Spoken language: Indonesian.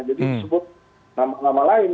jadi disebut nama nama lain